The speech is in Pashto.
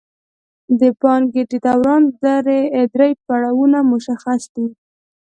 د پانګې د دوران درې پړاوونه مشخص دي